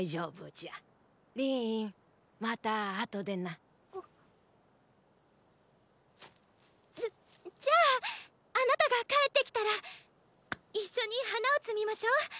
じゃじゃああなたが帰ってきたらッ一緒に花を摘みましょ！